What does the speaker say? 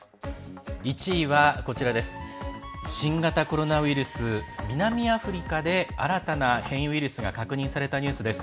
１位は新型コロナウイルス南アフリカで新たな変異ウイルスが確認されたニュースです。